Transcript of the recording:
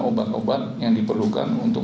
obat obat yang diperlukan untuk